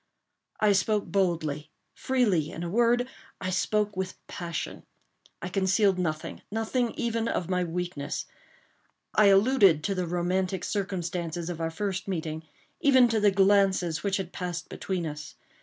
I spoke boldly, freely—in a word, I spoke with passion. I concealed nothing—nothing even of my weakness. I alluded to the romantic circumstances of our first meeting—even to the glances which had passed between us.